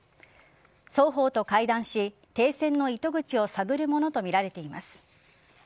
双方と会談し停戦の糸口を探るものとみられています。